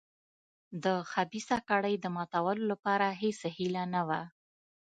د خبیثه کړۍ د ماتولو لپاره هېڅ هیله نه وه.